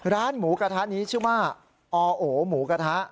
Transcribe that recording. ร้านหมูกระทะนี้ชื่อว่าออโอหมูกระทะ